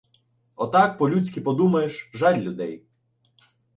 Отак, по-людськи, подумаєш — жаль людей.